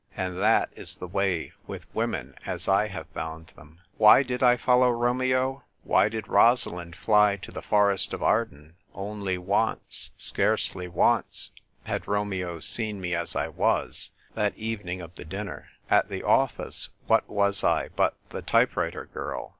And that is the way with women as I have found them. Why did I follow Romeo ? Why did Roralind fly to the forest of Arden ? Only once — scarcely once — had Romeo seen me as I was : that evening of the dinner. At the office, what was I but the type writer girl